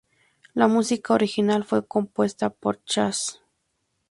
La música original fue compuesta por Slash.